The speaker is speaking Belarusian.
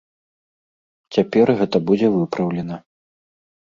Цяпер гэта будзе выпраўлена.